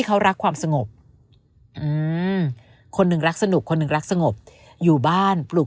เขารักความสงบคนหนึ่งรักสนุกคนหนึ่งรักสงบอยู่บ้านปลูก